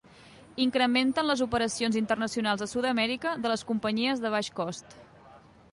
Incrementen les operacions internacionals a Sud-amèrica de les companyies de baix cost.